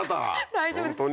大丈夫です。